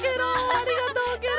ありがとうケロ！